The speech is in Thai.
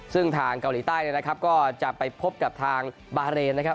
ซึ่งทางเกาหลีใต้เนี่ยนะครับก็จะไปพบกับทางบาเรนนะครับ